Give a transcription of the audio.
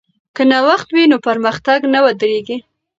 که نوښت وي نو پرمختګ نه ودریږي.